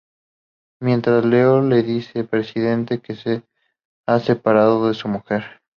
Mientras, Leo le dice al Presidente que se ha separado de su mujer.